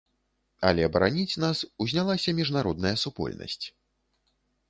Але бараніць нас узнялася міжнародная супольнасць.